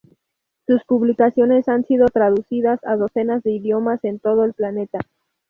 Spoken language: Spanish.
Sus publicaciones han sido traducidas a docenas de idiomas en todo el planeta.